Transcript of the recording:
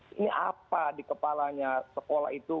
ini apa di kepalanya sekolah itu